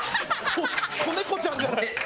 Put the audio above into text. もう子猫ちゃんじゃない。